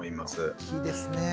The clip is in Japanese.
大きいですね。